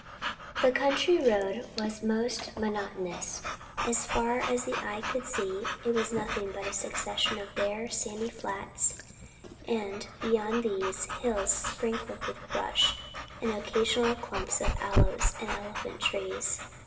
The country round was most monotonous. As far as the eye could see it was nothing but a succession of bare, sandy flats, and, beyond these, hills sprinkled with bush and occasional clumps of aloes and elephant trees.